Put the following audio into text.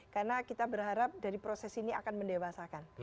karena kita berharap dari proses ini akan mendewasakan